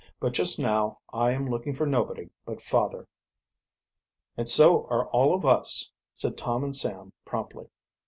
"But just now I am looking for nobody but father." "And so are all of us," said Tom and Sam promptly.